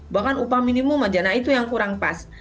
bahkan upah minimum aja nah itu yang kurang pas